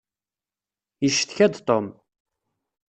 Yecetka-d Tom.